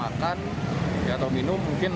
bahkan minum mungkin